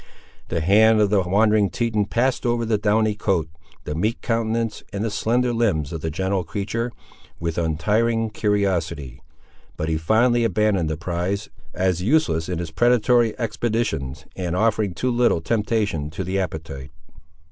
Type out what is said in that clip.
The hand of the wandering Teton passed over the downy coat, the meek countenance, and the slender limbs of the gentle creature, with untiring curiosity; but he finally abandoned the prize, as useless in his predatory expeditions, and offering too little temptation to the appetite.